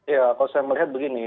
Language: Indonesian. ya kalau saya melihat begini